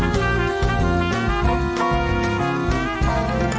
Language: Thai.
สวัสดีค่ะ